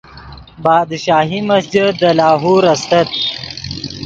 بادشاہی مسجد دے لاہور استت